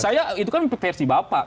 saya itu kan versi bapak